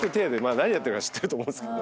何やってるか知ってると思うんですけど。